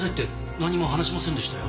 何も話しませんでしたよ。